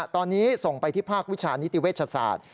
ตอนนี้ส่งไปที่ภาควิชานิติเวชศาสตร์